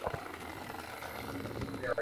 কুকুরটা আইসক্রিম পছন্দ করে।